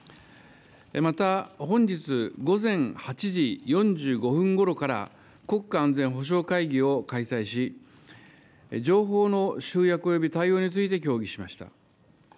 また、本日午前８時４５分ごろから国家安全保障会議を開催し、情報の集約および対応について協議しました。